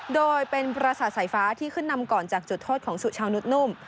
โดยเป็นประสาทสายฟ้าที่ขึ้นนำก่อนจากจุดโทษของสุชาวนุษนุ่ม